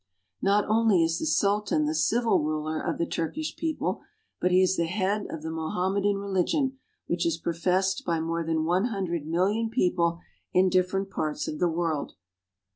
Not only is the Sultan the civil ruler of the Turkish people, but he is the head of the Mohammedan religion, which is pro fessed by more than one hundred million people in differ ent parts of the world.